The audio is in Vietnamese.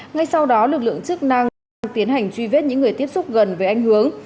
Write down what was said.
ngay sau đó lực lượng chức năng đang tiến hành truy vết những người tiếp xúc gần với anh hướng